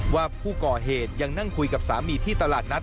ว่าผู้ก่อเหตุยังนั่งคุยกับสามีที่ตลาดนัด